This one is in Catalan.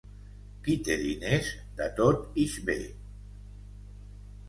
Qui té diners de tot ix bé.